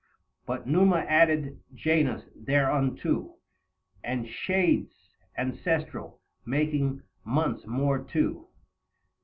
But Numa added Janus thereunto, 45 And Shades ancestral, making months more two.